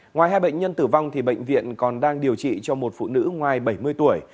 ngoài hai bệnh nhân tử vong bệnh viện còn đang điều trị cho một phụ nữ ngoài bảy mươi tuổi